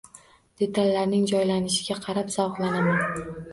Detallarning joylanishiga qarab zavqlanaman.